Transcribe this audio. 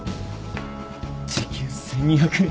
時給１，２００円。